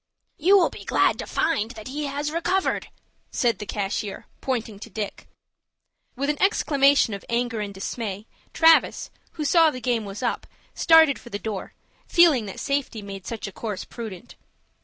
"You will be glad to find that he has recovered," said the cashier, pointing to Dick. With an exclamation of anger and dismay, Travis, who saw the game was up, started for the door, feeling that safety made such a course prudent.